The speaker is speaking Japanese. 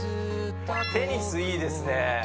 テニスいいですね